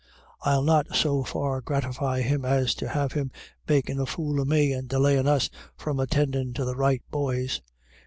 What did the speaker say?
I'll not so far gratify him as to have him makin' a fool of me, and delayin' us from attendin' to the right boys.